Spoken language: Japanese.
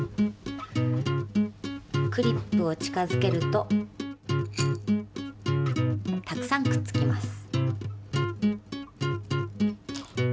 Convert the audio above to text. クリップを近づけるとたくさんくっつきます。